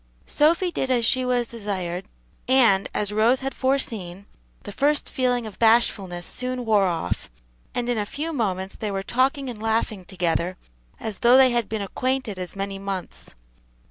Sophy did as she was desired, and, as Rose had foreseen, the first feeling of bashfulness soon wore off, and in a few moments they were talking and laughing together as though they had been acquainted as many months.